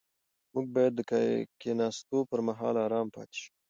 موږ باید د کښېناستو پر مهال ارام پاتې شو.